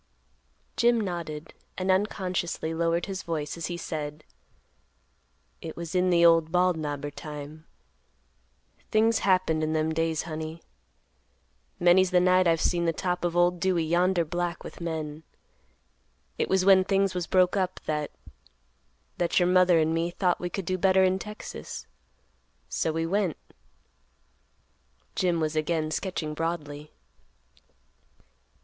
Jim nodded, and unconsciously lowered his voice, as he said, "It was in the old Bald Knobber time. Things happened in them days, honey. Many's the night I've seen the top of old Dewey yonder black with men. It was when things was broke up, that—that your mother and me thought we could do better in Texas; so we went," Jim was again sketching broadly.